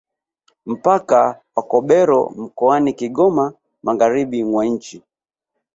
Mpaka wa Kobero mkoani Kigoma Magharibi mwa nchi